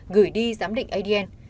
gửi đi giám định adn